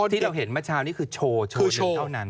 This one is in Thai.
ที่เราเห็นเมื่อเช้านี้คือโชว์